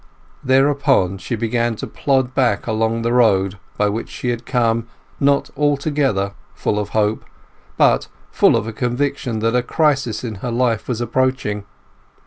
Thereupon she began to plod back along the road by which she had come not altogether full of hope, but full of a conviction that a crisis in her life was approaching.